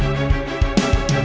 ya kita berhasil